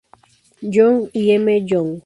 Young y M. Young.